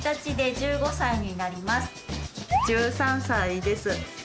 １３歳です。